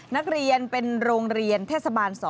นักเรียนเป็นโรงเรียนเทศบาล๒